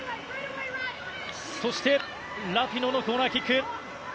そしてラピノのコーナーキック。